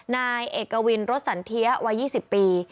นายเอกวินรถสันเทียวัย๒๐ปี